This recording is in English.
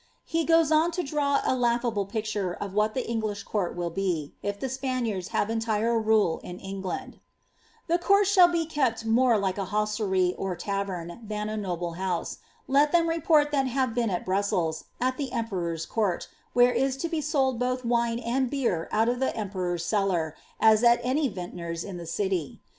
'* He soee do to dnw a laughable picture of what the English court will be, if the Spanianis hm entire rale in England :—^ The couirt shall be kept more we a hostdij or tavern, than a noble hoUse; let them report that have been at Bnwdi, at the emperor's court, where is to be sold both wine and beer out of the emperor's cellar, as at any vintner's in the city.